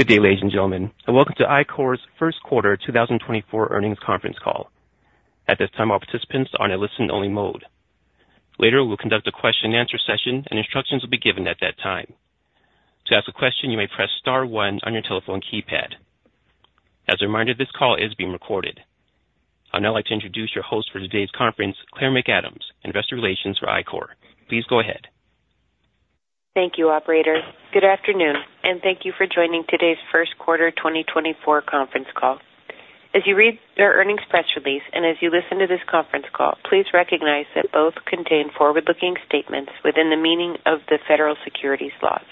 Good day, ladies and gentlemen, and welcome to Ichor's First Quarter 2024 Earnings Conference Call. At this time, all participants are in a listen-only mode. Later, we'll conduct a question-and-answer session, and instructions will be given at that time. To ask a question, you may press star one on your telephone keypad. As a reminder, this call is being recorded. I'd now like to introduce your host for today's conference, Claire McAdams, Investor Relations for Ichor. Please go ahead. Thank you, operator. Good afternoon, and thank you for joining today's first quarter 2024 conference call. As you read our earnings press release, and as you listen to this conference call, please recognize that both contain forward-looking statements within the meaning of the federal securities laws.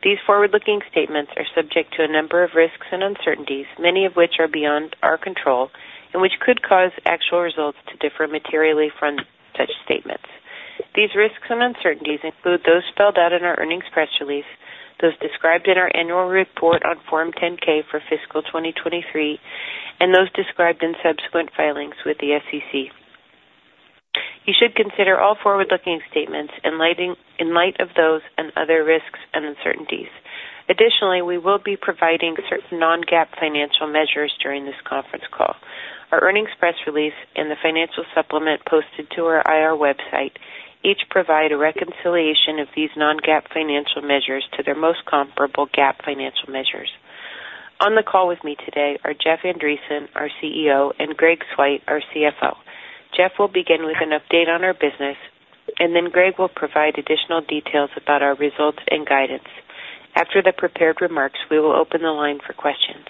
These forward-looking statements are subject to a number of risks and uncertainties, many of which are beyond our control, and which could cause actual results to differ materially from such statements. These risks and uncertainties include those spelled out in our earnings press release, those described in our annual report on Form 10-K for fiscal 2023, and those described in subsequent filings with the SEC. You should consider all forward-looking statements in light of those and other risks and uncertainties. Additionally, we will be providing certain non-GAAP financial measures during this conference call. Our earnings press release and the financial supplement posted to our IR website each provide a reconciliation of these non-GAAP financial measures to their most comparable GAAP financial measures. On the call with me today are Jeff Andreson, our CEO, and Greg Swyt, our CFO. Jeff will begin with an update on our business, and then Greg will provide additional details about our results and guidance. After the prepared remarks, we will open the line for questions.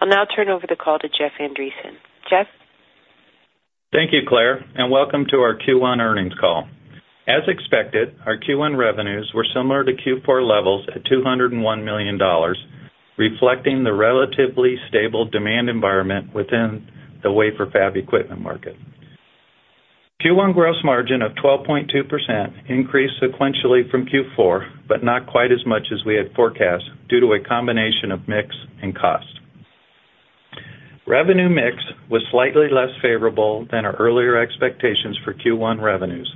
I'll now turn over the call to Jeff Andreson. Jeff? Thank you, Claire, and welcome to our Q1 earnings call. As expected, our Q1 revenues were similar to Q4 levels at $201 million, reflecting the relatively stable demand environment within the wafer fab equipment market. Q1 gross margin of 12.2% increased sequentially from Q4, but not quite as much as we had forecast due to a combination of mix and cost. Revenue mix was slightly less favorable than our earlier expectations for Q1 revenues.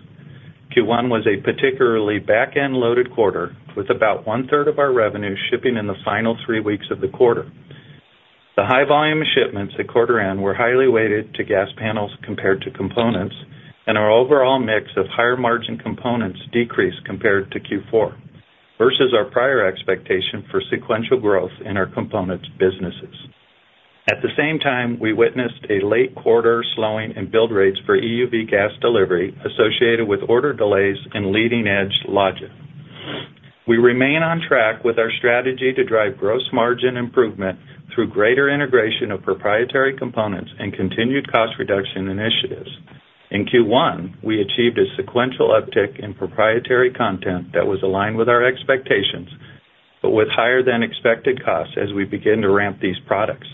Q1 was a particularly back-end loaded quarter, with about one-third of our revenue shipping in the final three weeks of the quarter. The high volume of shipments at quarter end were highly weighted to gas panels compared to components, and our overall mix of higher-margin components decreased compared to Q4, versus our prior expectation for sequential growth in our components businesses. At the same time, we witnessed a late-quarter slowing in build rates for EUV gas delivery associated with order delays in leading-edge logic. We remain on track with our strategy to drive gross margin improvement through greater integration of proprietary components and continued cost reduction initiatives. In Q1, we achieved a sequential uptick in proprietary content that was aligned with our expectations, but with higher-than-expected costs as we begin to ramp these products.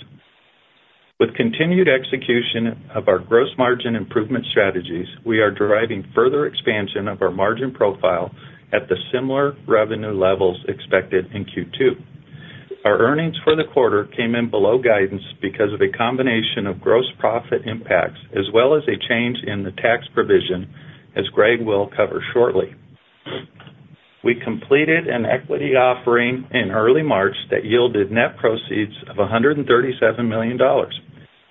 With continued execution of our gross margin improvement strategies, we are deriving further expansion of our margin profile at the similar revenue levels expected in Q2. Our earnings for the quarter came in below guidance because of a combination of gross profit impacts, as well as a change in the tax provision, as Greg will cover shortly. We completed an equity offering in early March that yielded net proceeds of $137 million.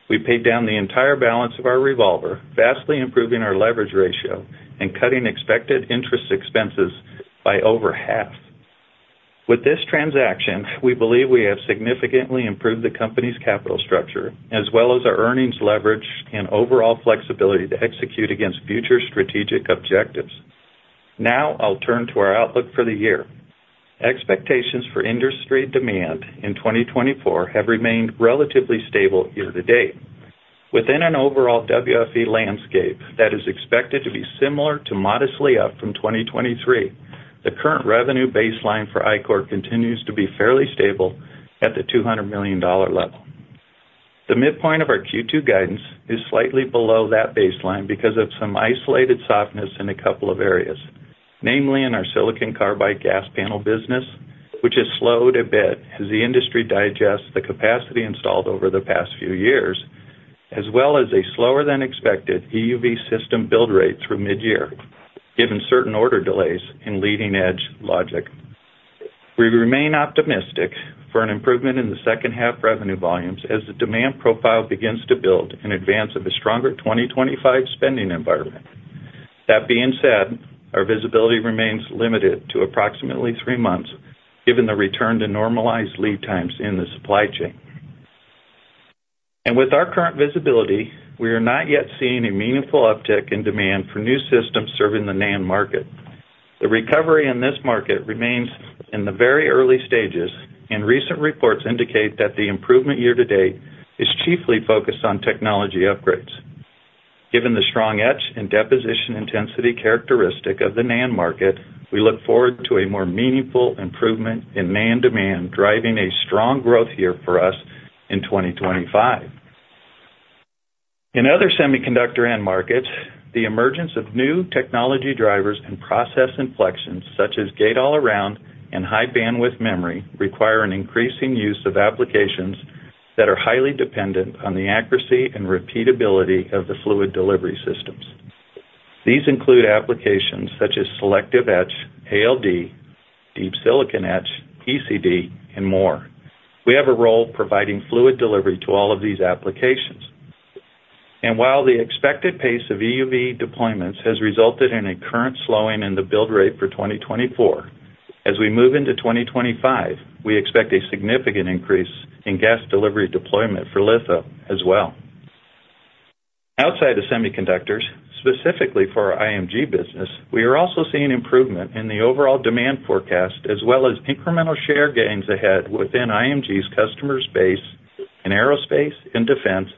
We paid down the entire balance of our revolver, vastly improving our leverage ratio and cutting expected interest expenses by over half. With this transaction, we believe we have significantly improved the company's capital structure, as well as our earnings leverage and overall flexibility to execute against future strategic objectives. Now I'll turn to our outlook for the year. Expectations for industry demand in 2024 have remained relatively stable year to date. Within an overall WFE landscape that is expected to be similar to modestly up from 2023, the current revenue baseline for Ichor continues to be fairly stable at the $200 million level. The midpoint of our Q2 guidance is slightly below that baseline because of some isolated softness in a couple of areas, namely in our silicon carbide gas panel business, which has slowed a bit as the industry digests the capacity installed over the past few years, as well as a slower-than-expected EUV system build rate through mid-year, given certain order delays in leading-edge logic. We remain optimistic for an improvement in the second-half revenue volumes as the demand profile begins to build in advance of a stronger 2025 spending environment. That being said, our visibility remains limited to approximately three months, given the return to normalized lead times in the supply chain. With our current visibility, we are not yet seeing a meaningful uptick in demand for new systems serving the NAND market. The recovery in this market remains in the very early stages, and recent reports indicate that the improvement year to date is chiefly focused on technology upgrades. Given the strong etch and deposition intensity characteristic of the NAND market, we look forward to a more meaningful improvement in NAND demand, driving a strong growth year for us in 2025. In other semiconductor end markets, the emergence of new technology drivers and process inflections, such as gate-all-around and high-bandwidth memory, require an increasing use of applications that are highly dependent on the accuracy and repeatability of the fluid delivery systems. These include applications such as selective etch, ALD, deep silicon etch, ECD, and more. We have a role providing fluid delivery to all of these applications. While the expected pace of EUV deployments has resulted in a current slowing in the build rate for 2024, as we move into 2025, we expect a significant increase in gas delivery deployment for litho as well. Outside of semiconductors, specifically for our IMG business, we are also seeing improvement in the overall demand forecast, as well as incremental share gains ahead within IMG's customer space in aerospace and defense,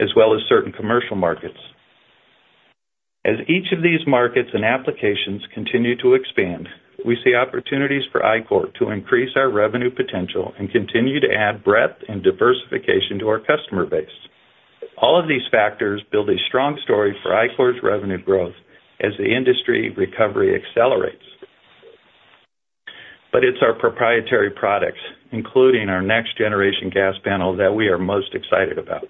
as well as certain commercial markets. As each of these markets and applications continue to expand, we see opportunities for Ichor to increase our revenue potential and continue to add breadth and diversification to our customer base. All of these factors build a strong story for Ichor's revenue growth as the industry recovery accelerates. It's our proprietary products, including our next-generation gas panel, that we are most excited about,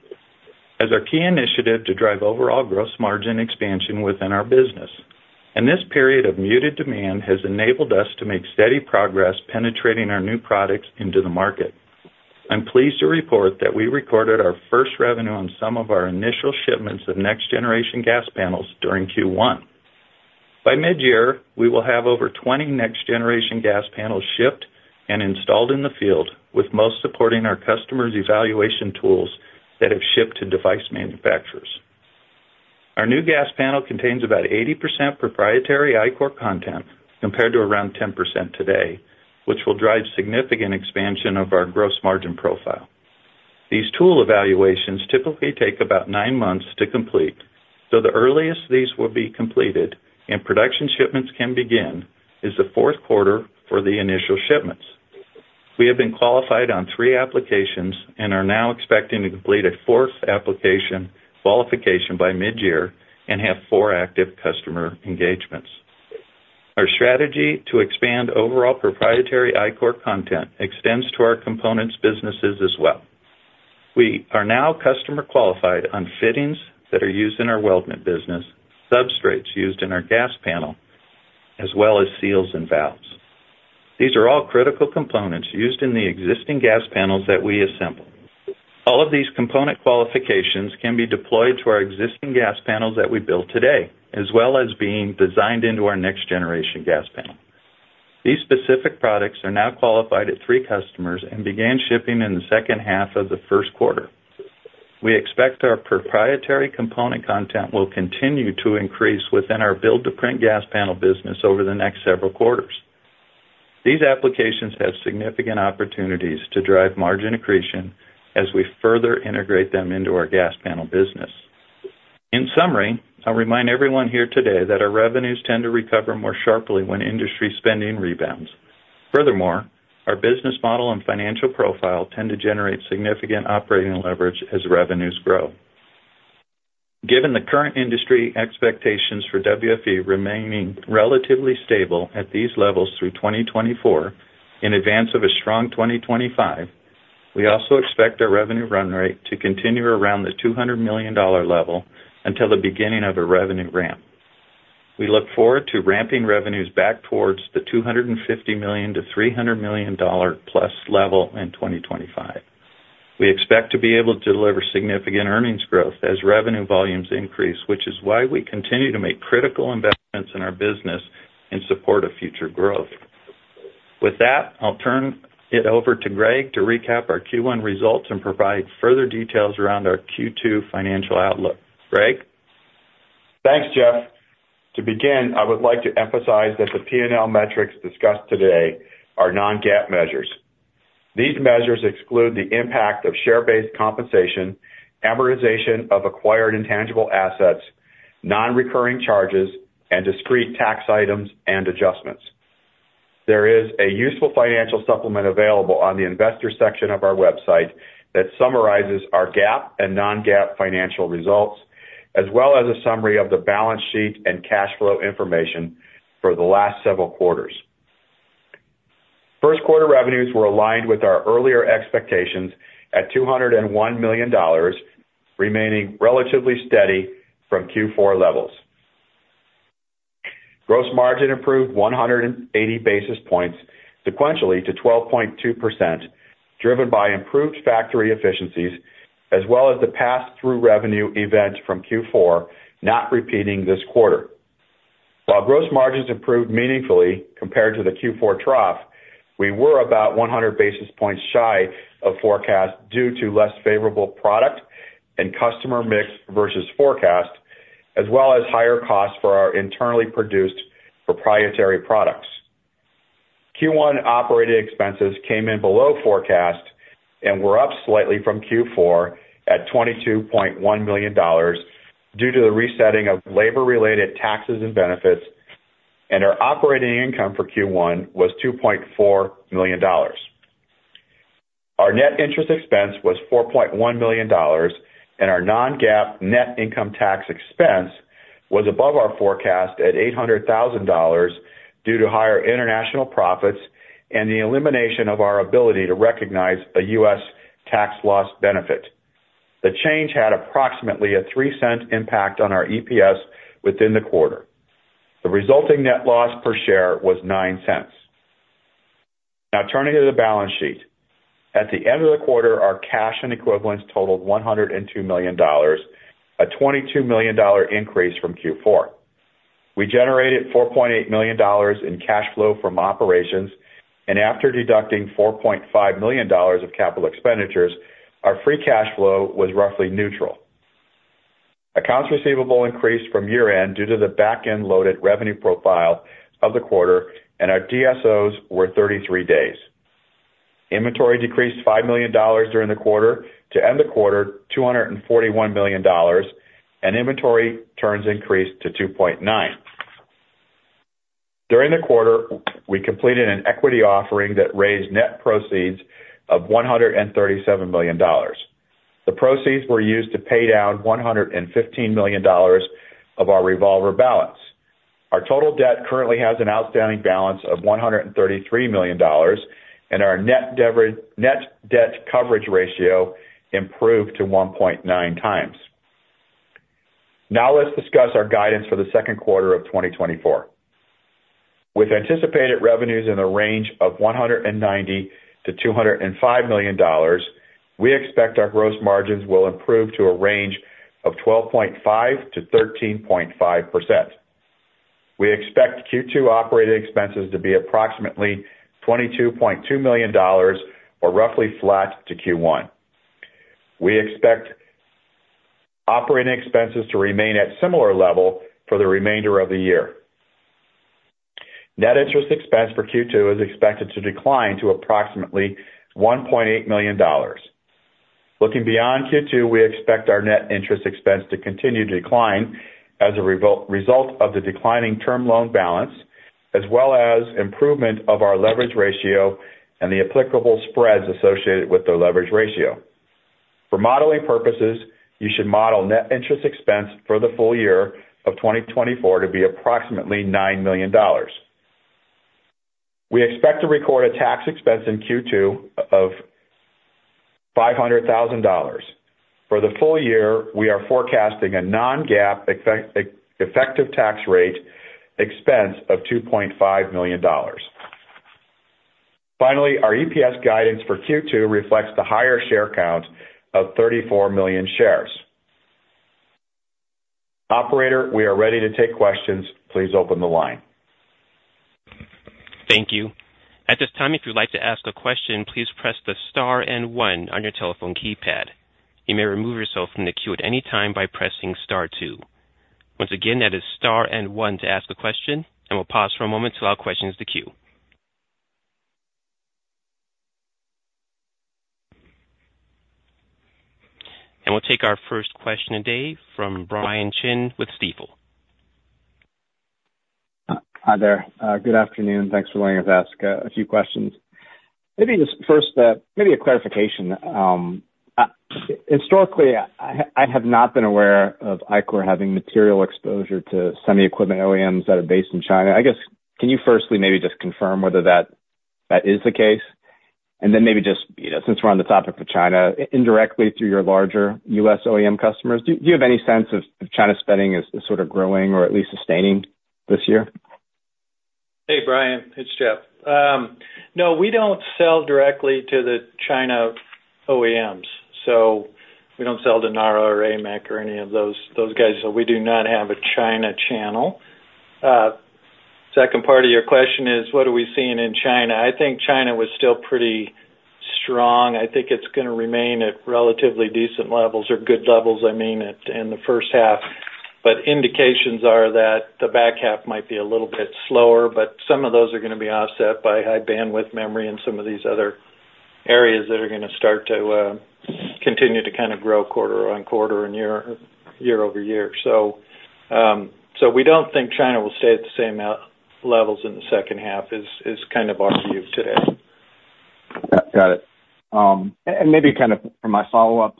as our key initiative to drive overall gross margin expansion within our business. This period of muted demand has enabled us to make steady progress penetrating our new products into the market. I'm pleased to report that we recorded our first revenue on some of our initial shipments of next-generation gas panels during Q1. By mid-year, we will have over 20 next-generation gas panels shipped and installed in the field, with most supporting our customers' evaluation tools that have shipped to device manufacturers. Our new gas panel contains about 80% proprietary Ichor content, compared to around 10% today, which will drive significant expansion of our gross margin profile. These tool evaluations typically take about nine months to complete, so the earliest these will be completed and production shipments can begin, is the fourth quarter for the initial shipments. We have been qualified on three applications and are now expecting to complete a fourth application qualification by mid-year and have four active customer engagements. Our strategy to expand overall proprietary Ichor content extends to our components businesses as well. We are now customer qualified on fittings that are used in our weldment business, substrates used in our gas panel, as well as seals and valves. These are all critical components used in the existing gas panels that we assemble. All of these component qualifications can be deployed to our existing gas panels that we build today, as well as being designed into our next-generation gas panel. These specific products are now qualified at three customers and began shipping in the second half of the first quarter. We expect our proprietary component content will continue to increase within our build-to-print gas panel business over the next several quarters. These applications have significant opportunities to drive margin accretion as we further integrate them into our gas panel business. In summary, I'll remind everyone here today that our revenues tend to recover more sharply when industry spending rebounds. Furthermore, our business model and financial profile tend to generate significant operating leverage as revenues grow. Given the current industry expectations for WFE remaining relatively stable at these levels through 2024, in advance of a strong 2025, we also expect our revenue run rate to continue around the $200 million level until the beginning of a revenue ramp. We look forward to ramping revenues back towards the $250 million-$300 million+ level in 2025. We expect to be able to deliver significant earnings growth as revenue volumes increase, which is why we continue to make critical investments in our business in support of future growth. With that, I'll turn it over to Greg to recap our Q1 results and provide further details around our Q2 financial outlook. Greg? Thanks, Jeff. To begin, I would like to emphasize that the P&L metrics discussed today are non-GAAP measures. These measures exclude the impact of share-based compensation, amortization of acquired intangible assets, non-recurring charges, and discrete tax items and adjustments. There is a useful financial supplement available on the investor section of our website that summarizes our GAAP and non-GAAP financial results, as well as a summary of the balance sheet and cash flow information for the last several quarters. First quarter revenues were aligned with our earlier expectations at $201 million, remaining relatively steady from Q4 levels. Gross margin improved 180 basis points sequentially to 12.2%, driven by improved factory efficiencies, as well as the pass-through revenue event from Q4, not repeating this quarter. While gross margins improved meaningfully compared to the Q4 trough, we were about 100 basis points shy of forecast due to less favorable product and customer mix versus forecast, as well as higher costs for our internally produced proprietary products. Q1 operating expenses came in below forecast and were up slightly from Q4 at $22.1 million, due to the resetting of labor-related taxes and benefits, and our operating income for Q1 was $2.4 million. Our net interest expense was $4.1 million, and our non-GAAP net income tax expense was above our forecast at $800,000, due to higher international profits and the elimination of our ability to recognize a U.S. tax loss benefit. The change had approximately a $0.03 impact on our EPS within the quarter. The resulting net loss per share was $0.09. Now turning to the balance sheet. At the end of the quarter, our cash and equivalents totaled $102 million, a $22 million increase from Q4. We generated $4.8 million in cash flow from operations, and after deducting $4.5 million of capital expenditures, our free cash flow was roughly neutral. Accounts receivable increased from year-end due to the back-end loaded revenue profile of the quarter, and our DSOs were 33 days. Inventory decreased $5 million during the quarter, to end the quarter, $241 million, and inventory turns increased to 2.9. During the quarter, we completed an equity offering that raised net proceeds of $137 million. The proceeds were used to pay down $115 million of our revolver balance. Our total debt currently has an outstanding balance of $133 million, and our net leverage, net debt coverage ratio improved to 1.9x. Now, let's discuss our guidance for the second quarter of 2024. With anticipated revenues in the range of $190 million-$205 million, we expect our gross margins will improve to a range of 12.5%-13.5%. We expect Q2 operating expenses to be approximately $22.2 million, or roughly flat to Q1. We expect operating expenses to remain at similar level for the remainder of the year. Net interest expense for Q2 is expected to decline to approximately $1.8 million. Looking beyond Q2, we expect our net interest expense to continue to decline as a result of the declining term loan balance, as well as improvement of our leverage ratio and the applicable spreads associated with the leverage ratio. For modeling purposes, you should model net interest expense for the full year of 2024 to be approximately $9 million. We expect to record a tax expense in Q2 of $500,000. For the full year, we are forecasting a non-GAAP effective tax rate expense of $2.5 million. Finally, our EPS guidance for Q2 reflects the higher share count of 34 million shares. Operator, we are ready to take questions. Please open the line. Thank you. At this time, if you'd like to ask a question, please press the star and one on your telephone keypad. You may remove yourself from the queue at any time by pressing star two. Once again, that is star and one to ask a question, and we'll pause for a moment to allow questions to queue. We'll take our first question today from Brian Chin with Stifel. Hi there. Good afternoon. Thanks for letting us ask a few questions. Maybe just first, maybe a clarification. Historically, I have not been aware of Ichor having material exposure to semi equipment OEMs that are based in China. I guess, can you firstly maybe just confirm whether that is the case? And then maybe just, you know, since we're on the topic of China, indirectly through your larger U.S. OEM customers, do you have any sense of China's spending is sort of growing or at least sustaining this year? Hey, Brian, it's Jeff. No, we don't sell directly to the China OEMs, so we don't sell to Naura or AMEC or any of those, those guys. So we do not have a China channel. Second part of your question is, what are we seeing in China? I think China was still pretty strong. I think it's gonna remain at relatively decent levels or good levels in the first half. But indications are that the back half might be a little bit slower, but some of those are gonna be offset by high-bandwidth memory and some of these other areas that are gonna start to continue to kind of grow quarter-over-quarter and year-over-year. So, we don't think China will stay at the same output levels in the second half, is kind of our view today. Got it. And maybe kind of for my follow-up,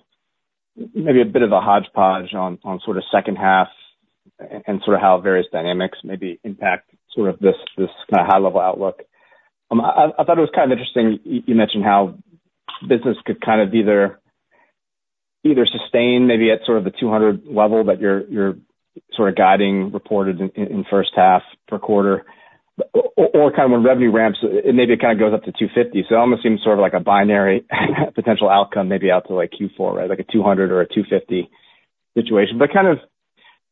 maybe a bit of a hodgepodge on sort of second half and sort of how various dynamics maybe impact sort of this kind of high level outlook. I thought it was kind of interesting you mentioned how business could kind of either sustain maybe at sort of the $200 level that you're sort of guiding reported in first half per quarter, or kind of when revenue ramps, it maybe kind of goes up to $250. So it almost seems sort of like a binary potential outcome, maybe out to, like, Q4, right? Like a $200 or a $250 situation. But kind of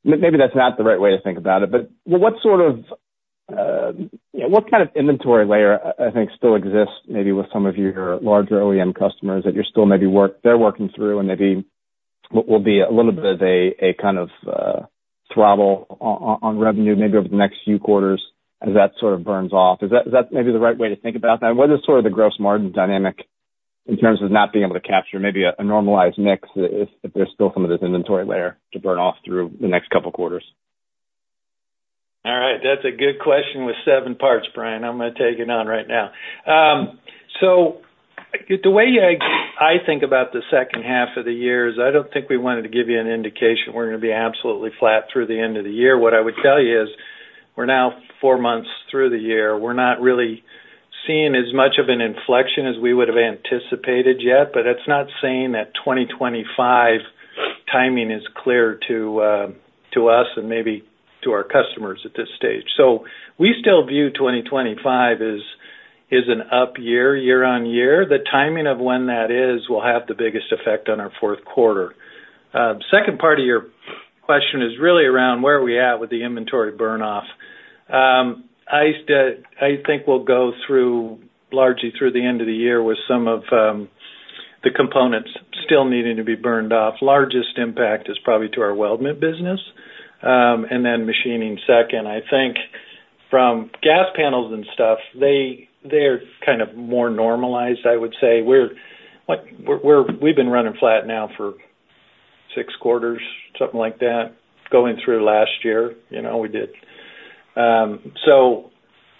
maybe that's not the right way to think about it, but what sort of, you know, what kind of inventory layer I think still exists maybe with some of your larger OEM customers that you're still maybe working through and maybe what will be a little bit of a, a kind of, throttle on revenue maybe over the next few quarters as that sort of burns off? Is that, is that maybe the right way to think about that? What is sort of the gross margin dynamic in terms of not being able to capture maybe a, a normalized mix, if, if there's still some of this inventory layer to burn off through the next couple quarters? All right. That's a good question with seven parts, Brian. I'm gonna take it on right now. So the way I, I think about the second half of the year is, I don't think we wanted to give you an indication we're gonna be absolutely flat through the end of the year. What I would tell you is, we're now four months through the year. We're not really seeing as much of an inflection as we would have anticipated yet, but it's not saying that 2025 timing is clear to, to us and maybe to our customers at this stage. So we still view 2025 as, as an up year, year-on-year. The timing of when that is will have the biggest effect on our fourth quarter. Second part of your question is really around where are we at with the inventory burn off? I think we'll go through, largely through the end of the year with some of, the components still needing to be burned off. Largest impact is probably to our weldment business, and then machining second. I think from gas panels and stuff, they, they're kind of more normalized, I would say. We're like, we've been running flat now for six quarters, something like that, going through last year, you know, we did. So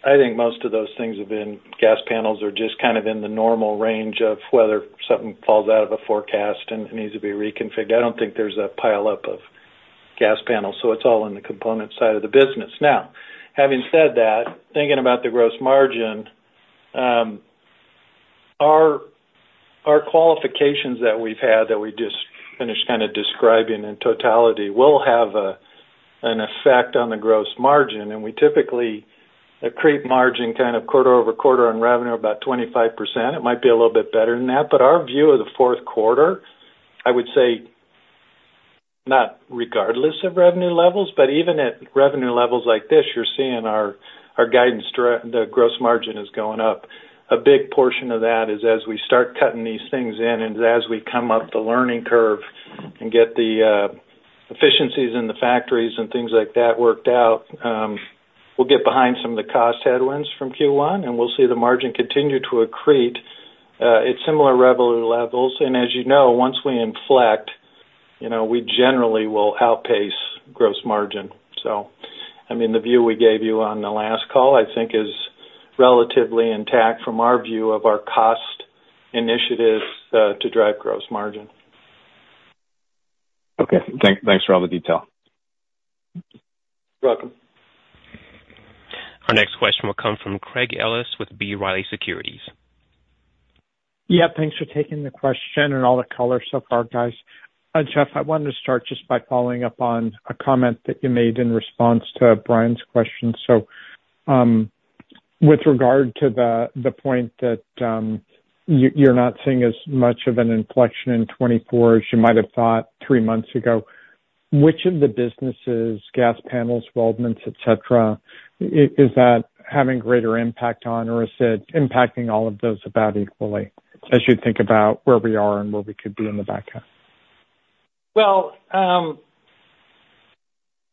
I think most of those things have been. Gas panels are just kind of in the normal range of whether something falls out of a forecast and needs to be reconfigured. I don't think there's a pileup of gas panels, so it's all on the component side of the business. Now, having said that, thinking about the gross margin, our qualifications that we've had, that we just finished kind of describing in totality, will have an effect on the gross margin, and we typically accrete margin kind of quarter-over-quarter on revenue, about 25%. It might be a little bit better than that, but our view of the fourth quarter, I would say not regardless of revenue levels, but even at revenue levels like this, you're seeing our guidance to the gross margin is going up. A big portion of that is as we start cutting these things in and as we come up the learning curve and get the efficiencies in the factories and things like that worked out, we'll get behind some of the cost headwinds from Q1, and we'll see the margin continue to accrete at similar revenue levels. And as you know, once we inflect, you know, we generally will outpace gross margin. So, I mean, the view we gave you on the last call, I think is relatively intact from our view of our cost initiatives to drive gross margin. Okay, thanks for all the detail. You're welcome. Our next question will come from Craig Ellis with B. Riley Securities. Yeah, thanks for taking the question and all the color so far, guys. Jeff, I wanted to start just by following up on a comment that you made in response to Brian's question. So, with regard to the point that you, you're not seeing as much of an inflection in 2024 as you might have thought three months ago, which of the businesses, gas, panels, weldments, et cetera, is that having greater impact on, or is it impacting all of those about equally, as you think about where we are and where we could be in the back half? Well, I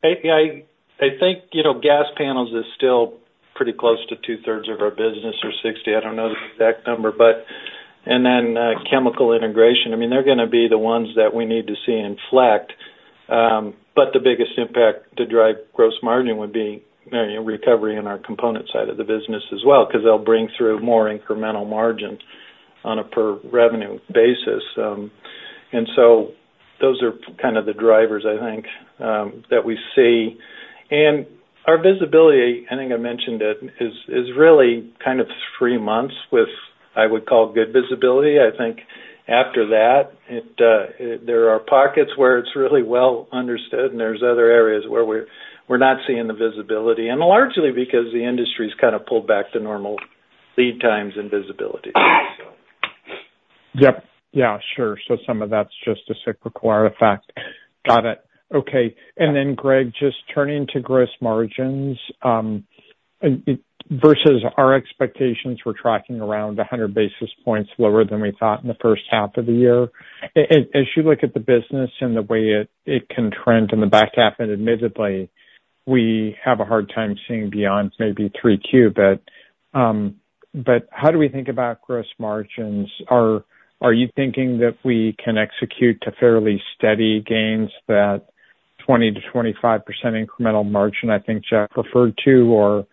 think, you know, gas panels is still pretty close to two-thirds of our business, or 60%. I don't know the exact number, but—And then, chemical integration, I mean, they're gonna be the ones that we need to see inflect. But the biggest impact to drive gross margin would be, you know, recovery in our component side of the business as well, because they'll bring through more incremental margin on a per revenue basis. And so those are kind of the drivers I think, that we see. And our visibility, I think I mentioned it, is really kind of three months with, I would call, good visibility. I think after that, there are pockets where it's really well understood, and there's other areas where we're not seeing the visibility, and largely because the industry's kind of pulled back to normal lead times and visibility. Yep. Yeah, sure. So some of that's just a cyclical artifact. Got it. Okay. And then, Greg, just turning to gross margins, and it versus our expectations, we're tracking around 100 basis points lower than we thought in the first half of the year. As, as you look at the business and the way it can trend in the back half, and admittedly, we have a hard time seeing beyond maybe 3Q. But, but how do we think about gross margins? Are you thinking that we can execute to fairly steady gains, that 20%-25% incremental margin I think Jeff referred to? Or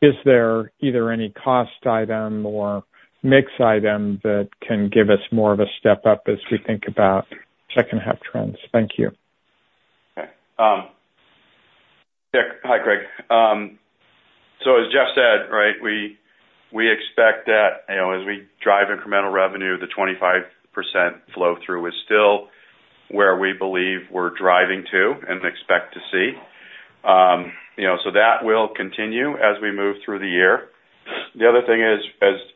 is there either any cost item or mix item that can give us more of a step up as we think about second half trends? Thank you. Okay. Yeah. Hi, Craig. So as Jeff said, right, we expect that, you know, as we drive incremental revenue, the 25% flow through is still where we believe we're driving to and expect to see. You know, so that will continue as we move through the year. The other thing is,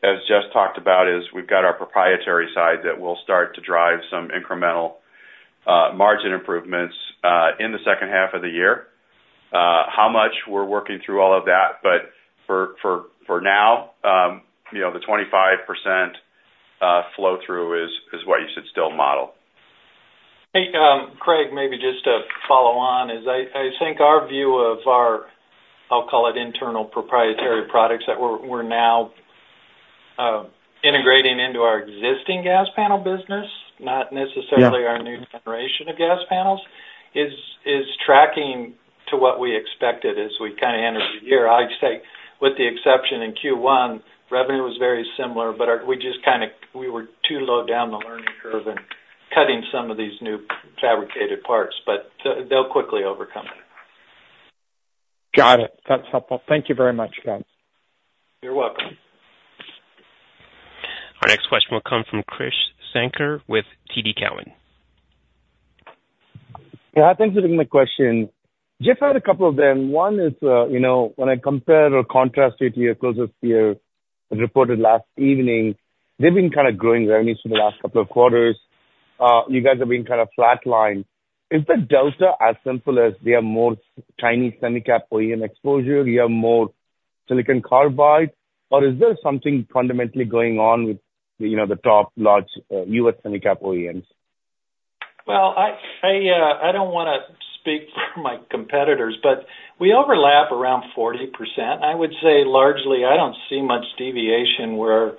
as Jeff talked about, is we've got our proprietary side that will start to drive some incremental margin improvements in the second half of the year. How much? We're working through all of that, but for now, you know, the 25% flow through is what you should still model. Hey, Craig, maybe just to follow on, I think our view of our internal proprietary products that we're now integrating into our existing gas panel business, not necessarilyour new generation of gas panels is tracking to what we expected as we kind of entered the year. I'd say with the exception in Q1, revenue was very similar, but we just kind of were too low down the learning curve and cutting some of these new fabricated parts, but they'll quickly overcome it. Got it. That's helpful. Thank you very much, guys. You're welcome. Our next question will come from Krish Sankar with TD Cowen. Yeah, thanks for taking my question. Jeff, I had a couple of them. One is, you know, when I compare or contrast with your closest peer that reported last evening, they've been kind of growing revenues for the last couple of quarters. You guys have been kind of flatlined. Is the delta as simple as they have more Chinese semi-cap OEM exposure, you have more silicon carbide, or is there something fundamentally going on with, you know, the top large U.S. semi-cap OEMs? Well, I don't wanna speak for my competitors, but we overlap around 40%. I would say largely, I don't see much deviation where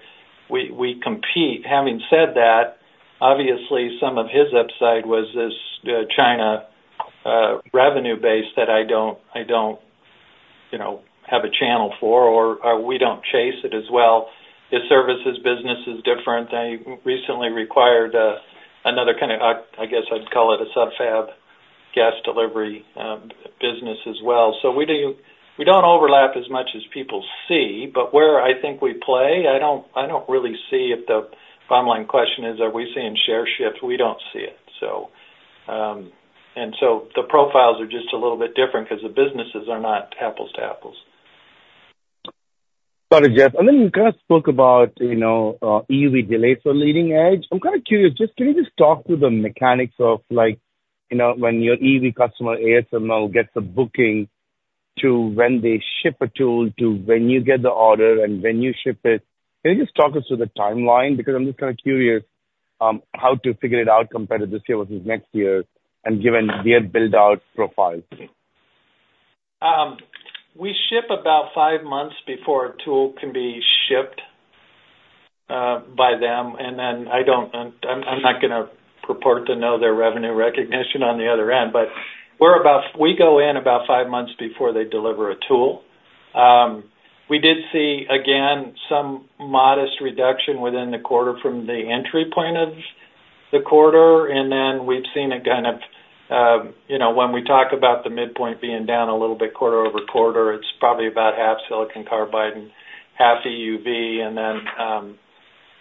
we compete. Having said that, obviously some of his upside was this, China, revenue base that I don't, you know, have a channel for, or we don't chase it as well. His services business is different. I recently acquired another kind of, I guess I'd call it a sub-fab gas delivery business as well. So we don't overlap as much as people see, but where I think we play, I don't really see if the bottom line question is, are we seeing share shifts? We don't see it. So the profiles are just a little bit different 'cause the businesses are not apples to apples. Got it, Jeff. And then you kind of spoke about, you know, EUV delays for leading edge. I'm kind of curious, just can you just talk through the mechanics of like, you know, when your EUV customer, ASML, gets a booking to when they ship a tool to when you get the order and when you ship it. Can you just talk us through the timeline? Because I'm just kind of curious, how to figure it out competitive this year versus next year and given their build-out profile. We ship about five months before a tool can be shipped by them, and then I don't. I'm not gonna purport to know their revenue recognition on the other end, but we're about, we go in about five months before they deliver a tool. We did see, again, some modest reduction within the quarter from the entry point of the quarter, and then we've seen it kind of, you know, when we talk about the midpoint being down a little bit quarter-over-quarter, it's probably about half silicon carbide and half EUV, and then,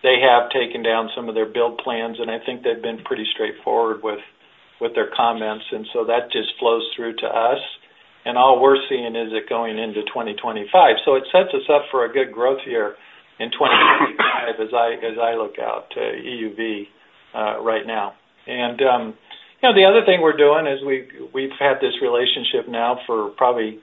they have taken down some of their build plans, and I think they've been pretty straightforward with their comments, and so that just flows through to us. All we're seeing is it going into 2025. So it sets us up for a good growth year in 2025, as I look out to EUV right now. And, you know, the other thing we're doing is we've had this relationship now for probably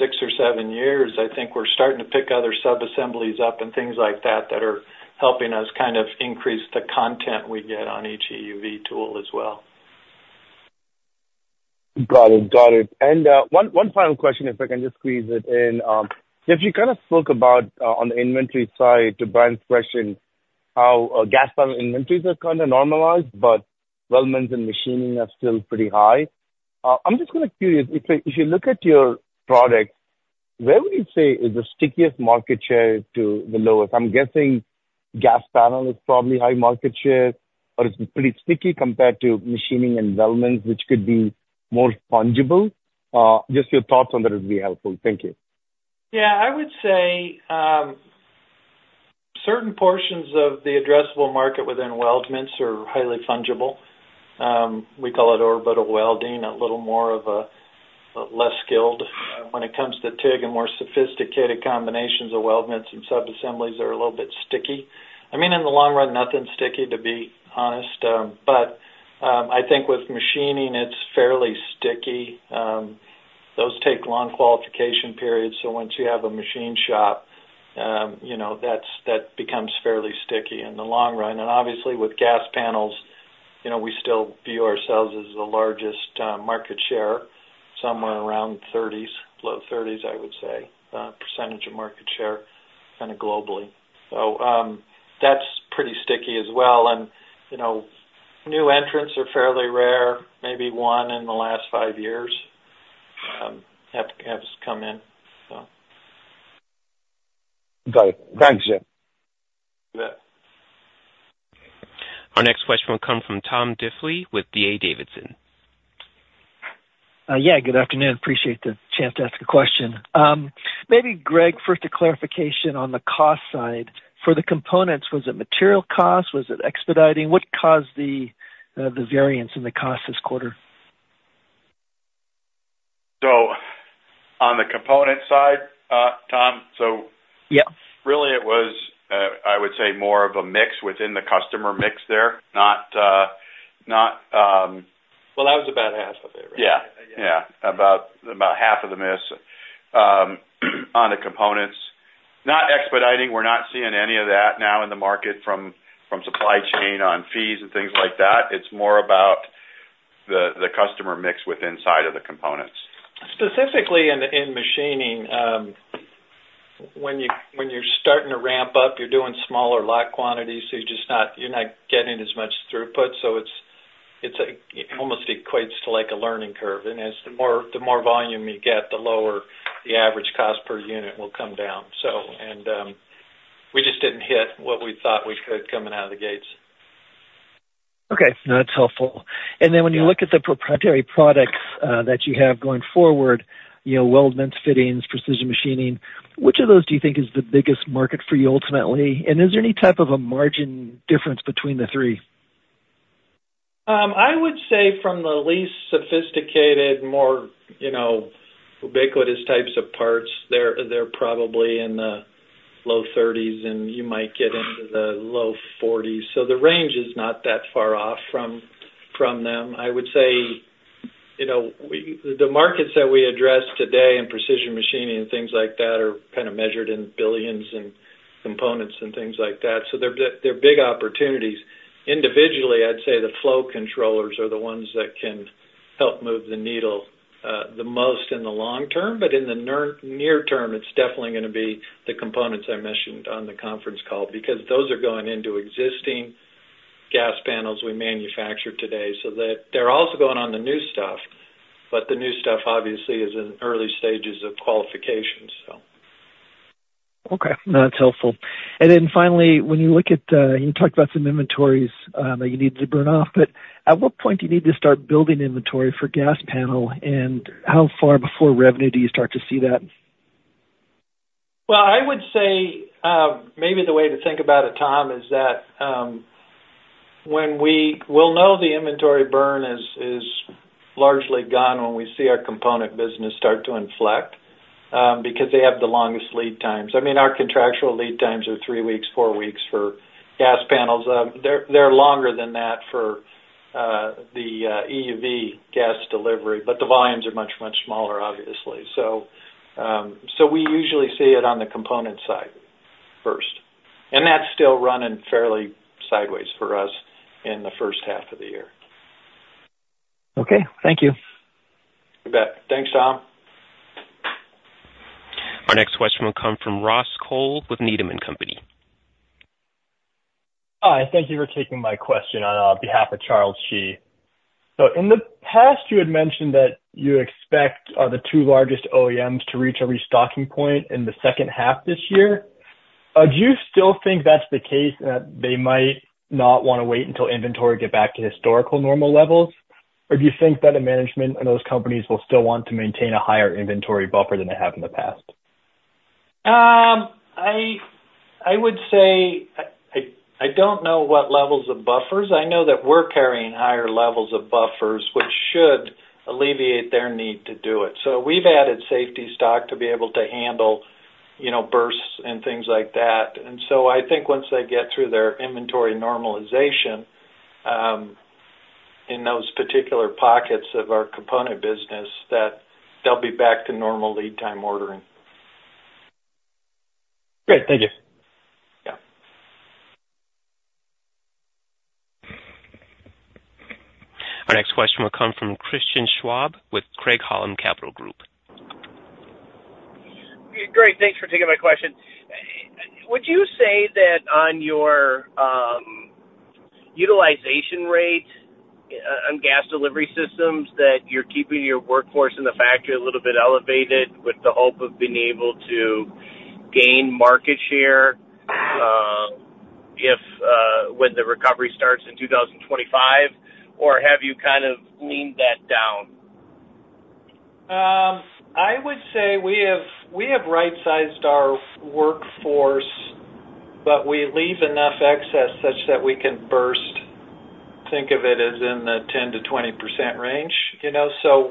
six or seven years. I think we're starting to pick other sub-assemblies up and things like that, that are helping us kind of increase the content we get on each EUV tool as well. Got it. Got it. And, one final question, if I can just squeeze it in. If you kind of spoke about, on the inventory side, to Brian's question, how gas panel inventories are kind of normalized, but weldments and machining are still pretty high. I'm just kind of curious, if you look at your products, where would you say is the stickiest market share to the lowest? I'm guessing gas panel is probably high market share, but it's pretty sticky compared to machining and weldments, which could be more fungible. Just your thoughts on that would be helpful. Thank you. Yeah, I would say, certain portions of the addressable market within weldments are highly fungible. We call it orbital welding, a little more of a less skilled. When it comes to TIG and more sophisticated combinations of weldments and sub-assemblies are a little bit sticky. I mean, in the long run, nothing's sticky, to be honest, but, I think with machining, it's fairly sticky. Those take long qualification periods, so once you have a machine shop, you know, that becomes fairly sticky in the long run. And obviously, with gas panels, you know, we still view ourselves as the largest, market share, somewhere around 30s, low 30s, I would say, % of market share kind of globally. So, that's pretty sticky as well. You know, new entrants are fairly rare, maybe one in the last five years have come in, so. Got it. Thanks, Jeff. You bet. Our next question will come from Tom Diffely with D.A. Davidson. Yeah, good afternoon. Appreciate the chance to ask a question. Maybe, Greg, first, a clarification on the cost side. For the components, was it material cost? Was it expediting? What caused the variance in the cost this quarter? On the component side, Tom, really, it was, I would say, more of a mix within the customer mix there, not. Well, that was about half of it. Yeah. Yeah, about half of the mix on the components. Not expediting. We're not seeing any of that now in the market from supply chain on fees and things like that. It's more about the customer mix inside of the components. Specifically in machining, when you're starting to ramp up, you're doing smaller lot quantities, so you're just not getting as much throughput, so it's almost equates to like a learning curve. And as the more volume you get, the lower the average cost per unit will come down. So, we just didn't hit what we thought we could coming out of the gates. Okay, no, that's helpful. And then when you look at the proprietary products that you have going forward, you know, weldments, fittings, precision machining, which of those do you think is the biggest market for you ultimately? And is there any type of a margin difference between the three? I would say from the least sophisticated, more, you know, ubiquitous types of parts, they're probably in the low 30s, and you might get into the low 40s. So the range is not that far off from them. I would say, you know, we the markets that we address today in precision machining and things like that are kind of measured in billions and components and things like that, so they're big opportunities. Individually, I'd say the flow controllers are the ones that can help move the needle the most in the long term, but in the near term, it's definitely gonna be the components I mentioned on the conference call, because those are going into existing gas panels we manufacture today. So they’re also going on the new stuff, but the new stuff obviously is in early stages of qualification, so. Okay, no, that's helpful. And then finally, when you look at, you talked about some inventories that you need to burn off, but at what point do you need to start building inventory for gas panel, and how far before revenue do you start to see that? Well, I would say, maybe the way to think about it, Tom, is that, when we-- we'll know the inventory burn is largely gone when we see our component business start to inflect, because they have the longest lead times. I mean, our contractual lead times are 3 weeks, 4 weeks for gas panels. They're longer than that for the EUV gas delivery, but the volumes are much, much smaller, obviously. So, we usually see it on the component side first, and that's still running fairly sideways for us in the first half of the year. Okay, thank you. You bet. Thanks, Tom. Our next question will come from Ross Cole with Needham & Company. Hi, thank you for taking my question on behalf of Charles Shi. So in the past, you had mentioned that you expect the two largest OEMs to reach a restocking point in the second half this year. Do you still think that's the case, and that they might not wanna wait until inventory get back to historical normal levels? Or do you think that the management in those companies will still want to maintain a higher inventory buffer than they have in the past? I would say I don't know what levels of buffers. I know that we're carrying higher levels of buffers, which should alleviate their need to do it. So we've added safety stock to be able to handle, you know, bursts and things like that. And so I think once they get through their inventory normalization, in those particular pockets of our component business, that they'll be back to normal lead time ordering. Great. Thank you. Yeah. Our next question will come from Christian Schwab with Craig-Hallum Capital Group. Great. Thanks for taking my question. Would you say that on your utilization rate on gas delivery systems, that you're keeping your workforce in the factory a little bit elevated with the hope of being able to gain market share, if, when the recovery starts in 2025, or have you kind of leaned that down? I would say we have, we have right-sized our workforce, but we leave enough excess such that we can burst. Think of it as in the 10%-20% range, you know? While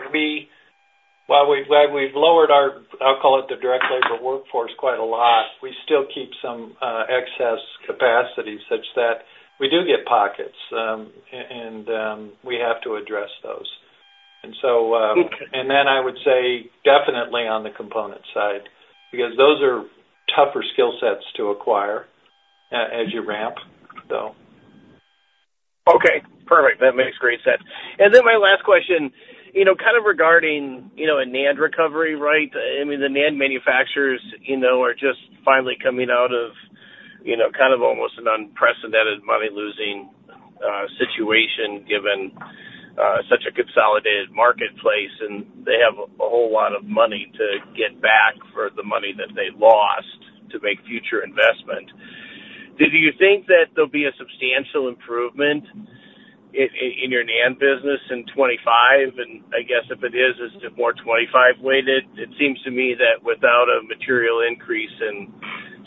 we've, we've lowered our, I'll call it, the direct labor workforce quite a lot, we still keep some excess capacity such that we do get pockets, and we have to address those. Then I would say definitely on the component side, because those are tougher skill sets to acquire as you ramp, so. Okay, perfect. That makes great sense. And then my last question kind of regarding a NAND recovery, right? I mean, the NAND manufacturers are just finally coming out of kind of almost an unprecedented money-losing situation, given such a consolidated marketplace, and they have a whole lot of money to get back for the money that they lost to make future investment. Do you think that there'll be a substantial improvement in your NAND business in 2025? And I guess if it is, is it more 2025 weighted? It seems to me that without a material increase in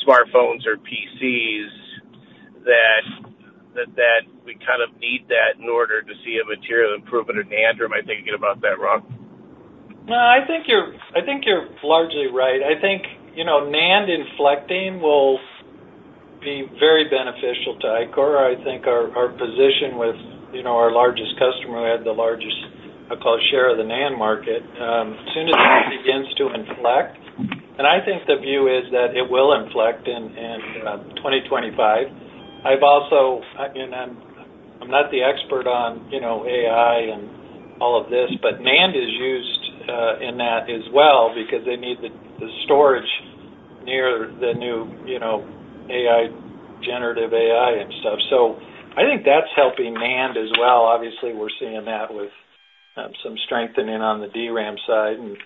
smartphones or PCs, that we kind of need that in order to see a material improvement in NAND. Am I thinking about that wrong? No, I think you're, I think you're largely right. I think NAND inflecting will be very beneficial to Ichor. I think our, our position with our largest customer, who had the largest, I'll call, share of the NAND market, as soon as it begins to inflect, and I think the view is that it will inflect in 2025. I'm not the expert on AI and all of this, but NAND is used in that as well, because they need the, the storage near the new AI, generative AI and stuff. So I think that's helping NAND as well. Obviously, we're seeing that with some strengthening on the DRAM side and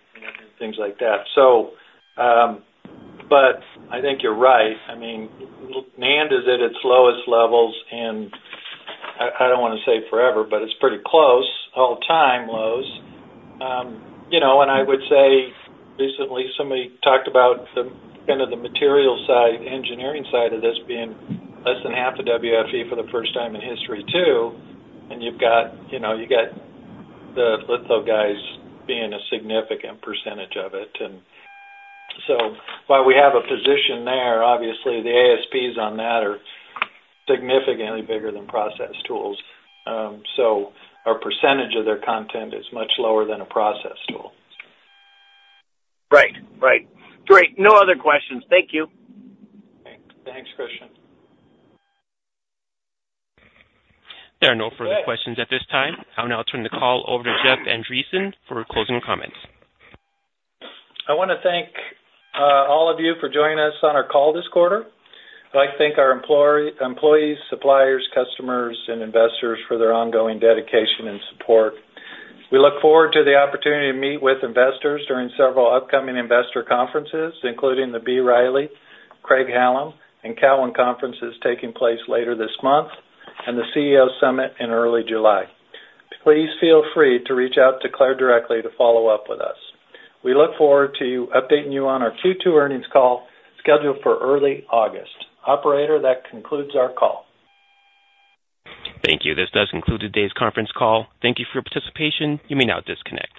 things like that. So, but I think you're right. I mean, NAND is at its lowest levels in, I, I don't wanna say forever, but it's pretty close, all-time lows. You know, and I would say recently, somebody talked about the kind of the material side, engineering side of this being less than half the WFE for the first time in history, too. And you've got the litho guys being a significant percentage of it. And so while we have a position there, obviously the ASPs on that are significantly bigger than process tools. So our percentage of their content is much lower than a process tool. Right. Great. No other questions. Thank you. Thanks, Christian. There are no further questions at this time. I'll now turn the call over to Jeff Andreson for closing comments. I wanna thank all of you for joining us on our call this quarter. I'd like to thank our employees, suppliers, customers, and investors for their ongoing dedication and support. We look forward to the opportunity to meet with investors during several upcoming investor conferences, including the B. Riley, Craig-Hallum, and Cowen conferences taking place later this month, and the CEO Summit in early July. Please feel free to reach out to Claire directly to follow up with us. We look forward to updating you on our Q2 Earnings Call, scheduled for early August. Operator, that concludes our call. Thank you. This does conclude today's conference call. Thank you for your participation. You may now disconnect.